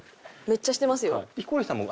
めっちゃしてますよ。